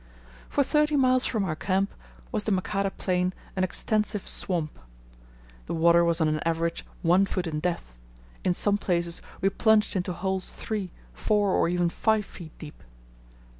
For thirty miles from our camp was the Makata plain an extensive swamp. The water was on an average one foot in depth; in some places we plunged into holes three, four, and even five feet deep.